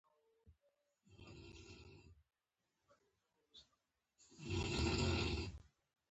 حتی نورو ته خپل فریاد هم نه شي رسولی.